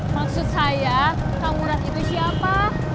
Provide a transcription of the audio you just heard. maksud saya kang murad itu siapa